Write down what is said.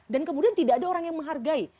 dan kemudian tidak ada orang yang menghargai